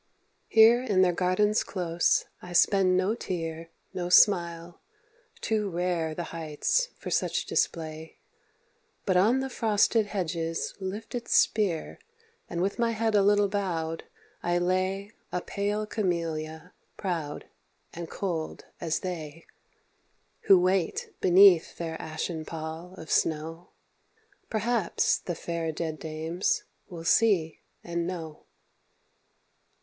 Here in their garden's close I spend no tear, No smile too rare the heights for such display. But on the frosted hedges' lifted spear And with my head a little bowed, I lay A pale camelia, proud and cold as they Who wait beneath their ashen pall of snow Perhaps the fair dead dames will see and know.